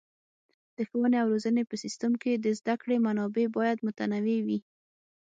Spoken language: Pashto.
د ښوونې او روزنې په سیستم کې د زده کړې منابع باید متنوع وي.